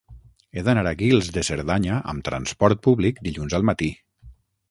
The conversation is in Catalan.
He d'anar a Guils de Cerdanya amb trasport públic dilluns al matí.